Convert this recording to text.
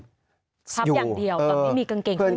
ครับอย่างเดียวตอนนี้มีกางเกงข้างหน้า